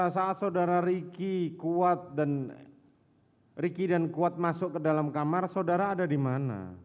saat saudara riki dan kuat masuk ke dalam kamar saudara ada di mana